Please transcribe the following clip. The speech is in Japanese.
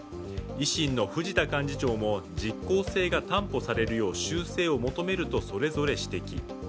維新の藤田幹事長も実効性が担保されるよう修正を求めるとそれぞれ指摘。